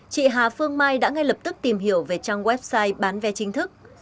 chị hà phương mai đã ngay lập tức tìm hiểu về trang website bán vé chính thức